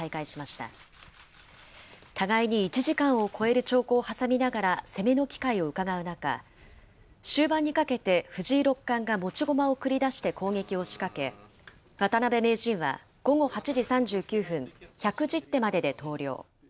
たがいに１時間を超える長考を挟みながら攻めの機会をうかがう中、終盤にかけて藤井六冠が持ち駒を繰り出して攻撃を仕掛け、渡辺名人は午後８時３９分、１１０手までで投了。